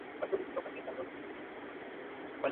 zungumzia machafuko ya mwaka elfu mbili na saba